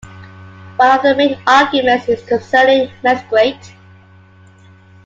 One of the main arguments is concerning mesquite.